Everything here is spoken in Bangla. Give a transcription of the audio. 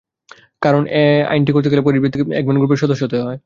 কারণ, এ আইনটি করতে গেলে প্যারিসভিত্তিক এগমন্ট গ্রুপের সদস্য হতে হয়।